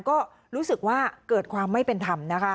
ก็รู้สึกว่าเกิดความไม่เป็นธรรมนะคะ